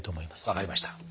分かりました。